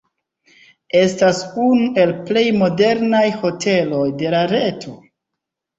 Estas unu el plej modernaj hoteloj de la reto.